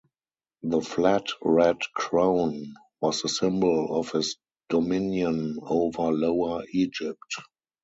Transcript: The flat red crown was the symbol of his dominion over Lower Egypt.